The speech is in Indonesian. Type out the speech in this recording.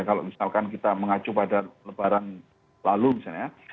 kalau misalkan kita mengacu pada lebaran lalu misalnya